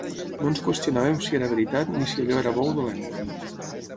no ens qüestionàvem si era veritat ni si allò era bo o dolent